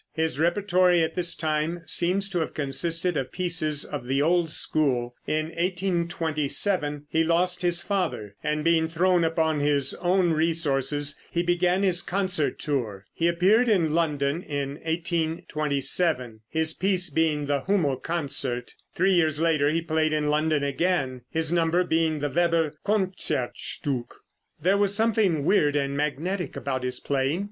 His repertory at this time seems to have consisted of pieces of the old school. In 1827 he lost his father, and being thrown upon his own resources, he began his concert tour. He appeared in London in 1827, his piece being the Hummel concerto. Three years later he played in London again, his number being the Weber Concertstück. There was something weird and magnetic about his playing.